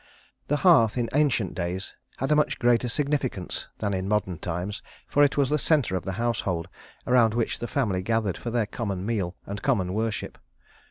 The hearth in ancient days had a much greater significance than in modern times, for it was the center of the household, around which the family gathered for their common meal and common worship.